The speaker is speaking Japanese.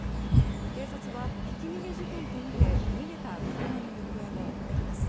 警察は、ひき逃げ事件とみて逃げた車の行方を追っています。